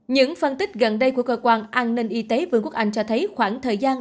những phân tích gần đây của cơ quan an ninh y tế vương quốc anh cho thấy khoảng thời gian